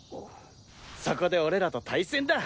そこで俺らと対戦だ。